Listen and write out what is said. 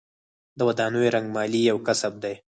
د ودانیو رنګمالي یو کسب دی